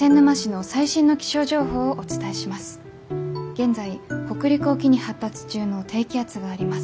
現在北陸沖に発達中の低気圧があります。